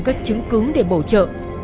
các chứng cứ để bổ trợ